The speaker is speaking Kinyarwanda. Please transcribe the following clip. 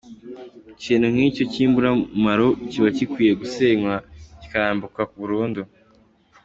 Ikintu nk’icyo cy’imburamumaro, kiba gikwiye gusenywa kikarimbuka burundu.